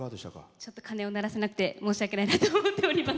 ちょっと鐘を鳴らせなくて申し訳ないなと思っております。